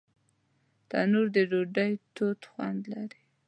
تنور د ډوډۍ تود خوند لري